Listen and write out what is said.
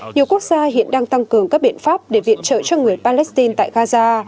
nhiều quốc gia hiện đang tăng cường các biện pháp để viện trợ cho người palestine tại gaza